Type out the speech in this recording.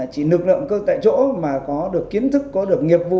chỉ lực lượng cơ tại chỗ mà có được kiến thức có được nghiệp vụ